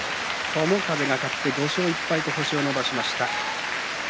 友風が勝って５勝１敗と星を伸ばしました。